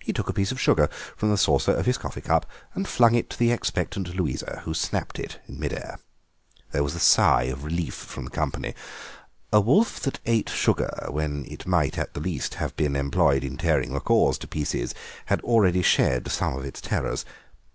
He took a piece of sugar from the saucer of his coffee cup and flung it to the expectant Louisa, who snapped it in mid air. There was a sigh of relief from the company; a wolf that ate sugar when it might at the least have been employed in tearing macaws to pieces had already shed some of its terrors.